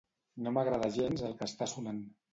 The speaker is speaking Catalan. No m'agrada gens el que està sonant.